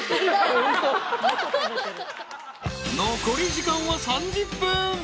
［残り時間は３０分］